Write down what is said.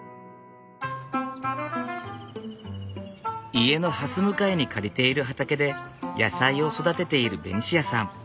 家のはす向かいに借りている畑で野菜を育てているベニシアさん。